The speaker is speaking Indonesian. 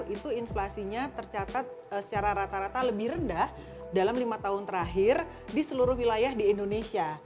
itu inflasinya tercatat secara rata rata lebih rendah dalam lima tahun terakhir di seluruh wilayah di indonesia